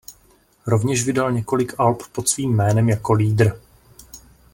Rovněž vydal několik alb pod svým jménem jako leader.